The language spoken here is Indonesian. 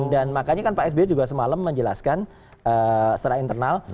dan makanya kan pak s b juga semalam menjelaskan secara interlaksasi